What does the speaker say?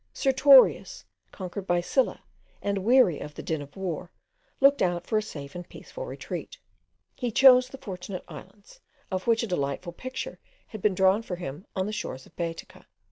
Sertorius, conquered by Sylla, and weary of the din of war, looked out for a safe and peaceable retreat. He chose the Fortunate Islands, of which a delightful picture had been drawn for him on the shores of Baetica.